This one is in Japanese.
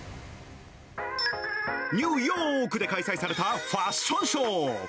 ニューヨークで開催されたファッションショー。